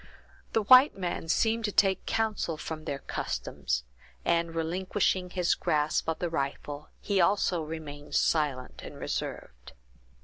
The white man seemed to take counsel from their customs, and, relinquishing his grasp of the rifle, he also remained silent and reserved.